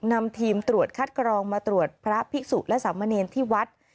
นำทีมตรวจคัดกรองมาตรวจพระภิกษุและสามเณรที่วัด